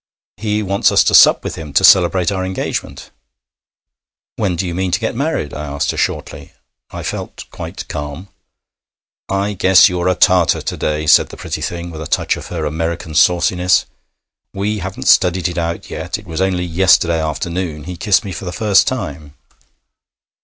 'He wants us to sup with him, to celebrate our engagement.' 'When do you mean to get married?' I asked her shortly. I felt quite calm. 'I guess you're a Tartar to day,' said the pretty thing, with a touch of her American sauciness. 'We haven't studied it out yet. It was only yesterday afternoon he kissed me for the first time.'